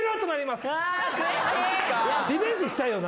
リベンジしたいよな？